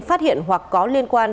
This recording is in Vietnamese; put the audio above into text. phát hiện hoặc có liên quan